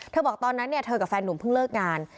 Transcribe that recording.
บอกตอนนั้นเธอกับแฟนหนุ่มเพิ่งเลิกงาน